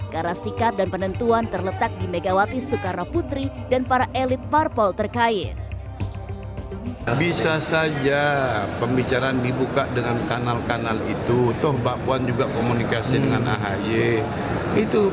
karena sikap dan penentuan terletak di megawati soekarnoputri dan para elit parpol terkait